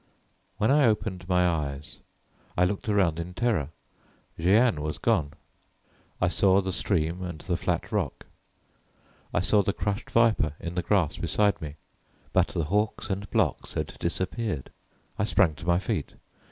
When I opened my eyes, I looked around in terror. Jeanne was gone. I saw the stream and the flat rock; I saw the crushed viper in the grass beside me, but the hawks and blocs had disappeared. I sprang to my feet.